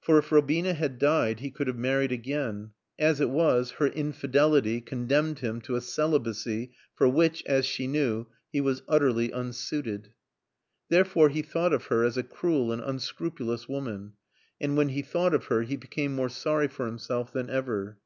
For if Robina had died he could have married again. As it was, her infidelity condemned him to a celibacy for which, as she knew, he was utterly unsuited. Therefore he thought of her as a cruel and unscrupulous woman. And when he thought of her he became more sorry for himself than ever.